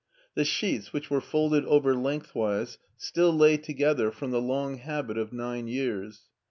The sheets, which were folded over lengthways, still lay together from the long habit of nine years.